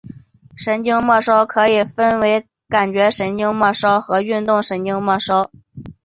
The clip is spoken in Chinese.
神经末梢可以分为感觉神经末梢和运动神经末梢。